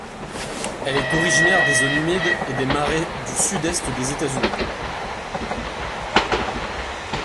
Elle est originaire des zones humides et des marais du sud-est des États-Unis.